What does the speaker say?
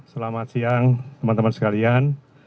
selamat siang teman teman sekalian